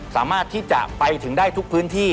สามารถที่จะไปถึงได้ทุกพื้นที่